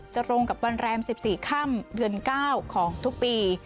ตรงกับวันแรม๑๔ค่ำเดือน๙ของทุกปี